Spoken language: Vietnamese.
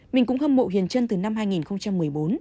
mình cũng hâm mộ huyền trân từ năm hai nghìn một mươi chín